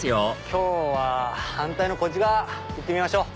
今日は反対のこっち側行ってみましょう。